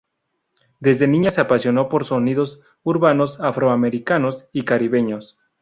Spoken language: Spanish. Desde niña se apasionó por sonidos urbanos afroamericanos y caribeños.